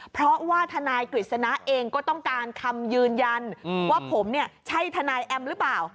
เพราะว่าทนายกฤษณะเองก็ต้องการคำยืนยันว่าผมเนี่ยใช่ทนายแอมหรือเปล่า